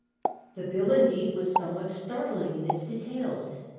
The bill, indeed, was somewhat startling in its details.